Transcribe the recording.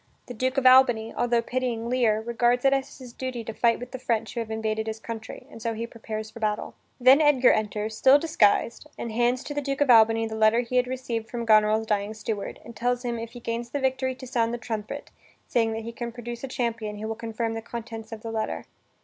The Duke of Albany, altho pitying Lear, regards it as his duty to fight with the French who have invaded his country, and so he prepares for battle. Then Edgar enters, still disguised, and hands to the Duke of Albany the letter he had received from Goneril's dying steward, and tells him if he gains the victory to sound the trumpet, saying that he can produce a champion who will confirm the contents of the letter.